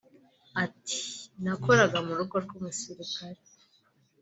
Ati “Nakoraga mu rugo rw’umusirikare